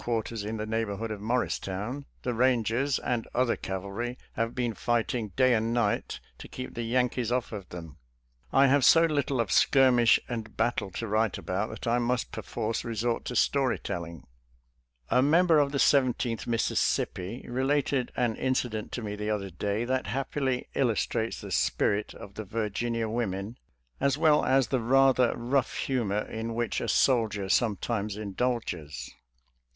quarters in the neighborhood of Morristown, the Rangers and other cavalry have been fighting day and night to keep the Yankees off of them. ♦•♦ I have so little of skirmish and battle to write about that I must perforce resort to story tell ing. •«♦ A member of the Seventeenth Mississippi re lated an incident to me the other day that hap pily illustrates the spirit of the Virginia women as well as the rather rough humor in which a soldier sometimes indulges.